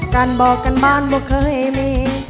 การบอกกันบ้านว่าเคยมี